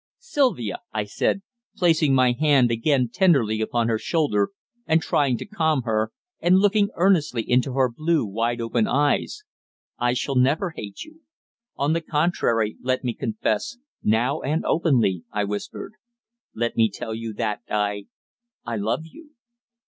"Sylvia," I said, placing my hand again tenderly upon her shoulder and trying to calm her, and looking earnestly into her blue, wide open eyes, "I shall never hate you. On the contrary, let me confess, now and openly," I whispered, "let me tell you that I I love you!"